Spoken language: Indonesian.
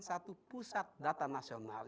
satu pusat data nasional